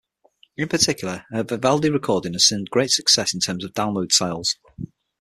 In particular, her Vivaldi recording has seen great success in terms of download sales.